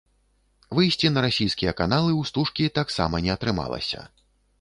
Выйсці на расійскія каналы ў стужкі таксама не атрымалася.